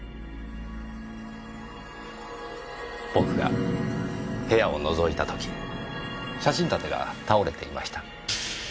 僕が部屋を覗いた時写真立てが倒れていました。